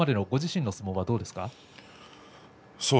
ご自身の相撲どうですか？